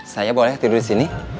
saya boleh tidur di sini